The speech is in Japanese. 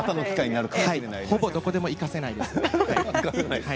ほぼどこにも生かせないです。